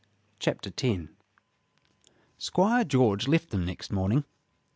CHAPTER X Squire George left them next morning.